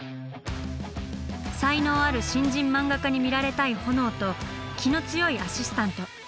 才能ある新人漫画家に見られたいホノオと気の強いアシスタント。